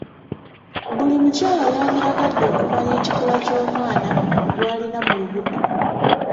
Buli mukyala yandiyagadde okumanya ekikula ky'omwana gw'alina mu lubuto.